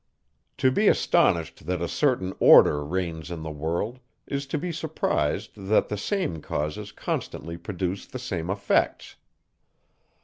To be astonished that a certain order reigns in the world, is to be surprised that the same causes constantly produce the same effects.